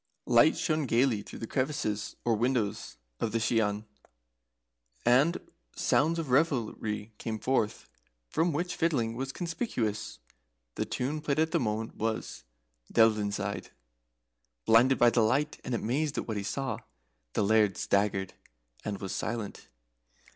Lights shone gaily through the crevices or windows of the Shian, and sounds of revelry came forth, among which fiddling was conspicuous. The tune played at that moment was "Delvyn side." Blinded by the light, and amazed at what he saw, the Laird staggered, and was silent.